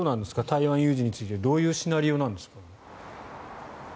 台湾有事に対してどういうシナリオなんですか？